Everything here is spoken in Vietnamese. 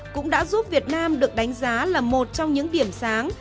cũng đã giúp việt nam được đánh giá là một trong những điểm sáng